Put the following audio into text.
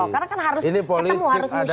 karena kan harus ketemu harus musyawarah kan berdua